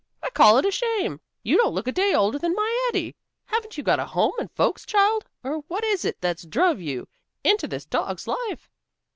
I call it a shame. You don't look a day older than my Ettie. Haven't you got a home and folks, child, or what is it that's druv you into this dog's life?"